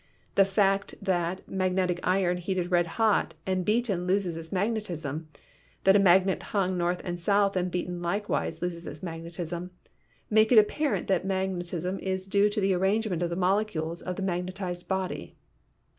The facts that magnetic iron heated red hot and beaten loses its mag netism, that a magnet hung north and south and beaten likewise loses its magnetism, make it apparent that magnet ism is due to the arrangement of the molecules of the mag netized body.